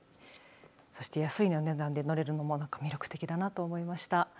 そして安い値段で乗れるのもなかなか魅力的だなと思いました。